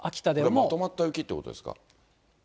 まとまった雪ってことですか？